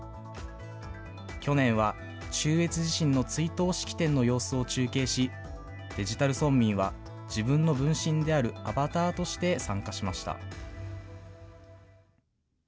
去年は中越地震の追悼式典の様子を中継し、デジタル村民は自分の分身であるアバターとして参加しました。